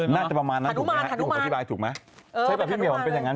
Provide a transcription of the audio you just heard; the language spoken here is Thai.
น่าจะประมาณนั้นถนุมานถนุมาน